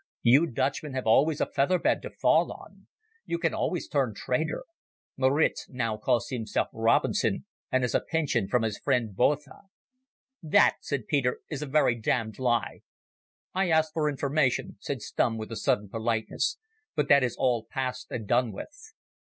You Dutchmen have always a feather bed to fall on. You can always turn traitor. Maritz now calls himself Robinson, and has a pension from his friend Botha." "That," said Peter, "is a very damned lie." "I asked for information," said Stumm with a sudden politeness. "But that is all past and done with.